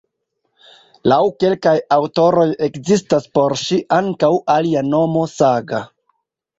Laŭ kelkaj aŭtoroj ekzistas por ŝi ankaŭ alia nomo "Saga".